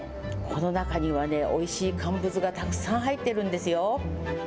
この中にはね、おいしい乾物がたくさん入ってるんですよ。